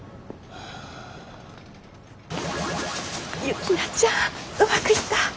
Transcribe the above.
雪菜ちゃんうまくいった！